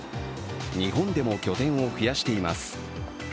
日本でも拠点を増やしています。